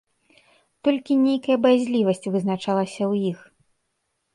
Толькі нейкая баязлівасць вызначалася ў іх.